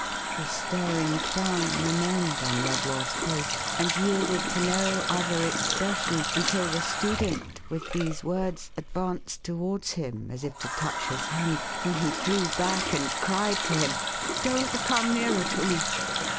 " The staring frown remained on Redlaw's face, and yielded to no other expression until the student, with these words, advanced towards him, as if to touch his hand, when he drew back and cried to him :" Don't come nearer to me